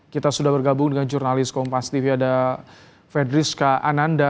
kita sudah bergabung dengan jurnalis kompas tv ada fedriska ananda